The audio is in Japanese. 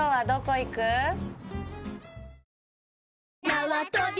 なわとび